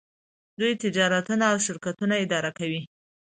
دوی تجارتونه او شرکتونه اداره کوي.